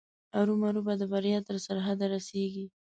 ارومرو به د بریا تر سرحده رسېږي.